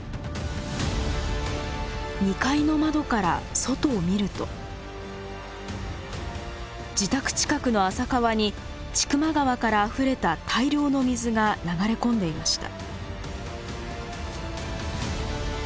２階の窓から外を見ると自宅近くの浅川に千曲川からあふれた大量の水が流れ込んでいました。